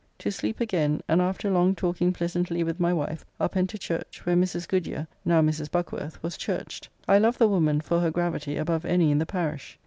To sleep again, and after long talking pleasantly with my wife, up and to church, where Mrs. Goodyer, now Mrs. Buckworth, was churched. I love the woman for her gravity above any in the parish.